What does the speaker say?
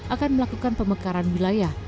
akan melakukan pemekaran wilayah